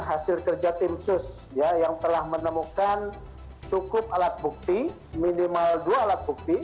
hasil kerja tim sus yang telah menemukan cukup alat bukti minimal dua alat bukti